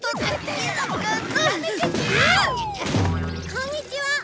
こんにちは！